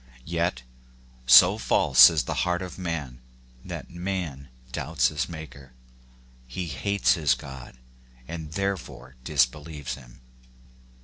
Yet, so false is the heart of man, that man doubts his Maker. He hates his God, and there fore disbelieves him.